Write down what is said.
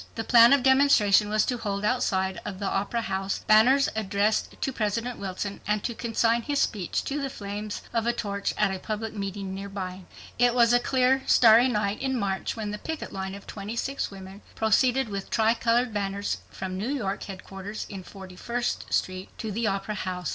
The plan of demonstration was to hold outside of the Opera House banners addressed to President Wilson, and to consign his speech to the flames of a torch at a public meeting nearby. It was a clear starry night in March when the picket line of 26 women proceeded with tri colored banners from New York headquarters in Forty first street to the Opera House.